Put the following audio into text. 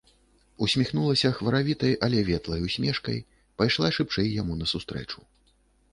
Усміхнулася хваравітай, але ветлай усмешкай, пайшла шыбчэй яму насустрэчу.